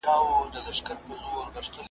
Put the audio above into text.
مقابله کولای سي .